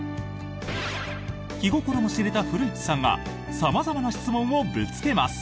気心も知れた古市さんが様々な質問をぶつけます。